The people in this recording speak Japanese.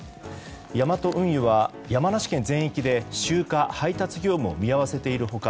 ヤマト運輸は山梨県全域で集荷・配達業務を見合わせている他